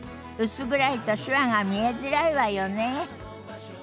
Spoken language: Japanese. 薄暗いと手話が見えづらいわよね。